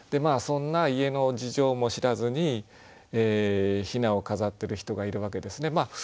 そんな家の事情も知らずに雛を飾ってる人がいるわけですね。